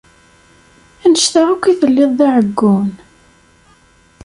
Annect-a akk i telliḍ d aɛeggun?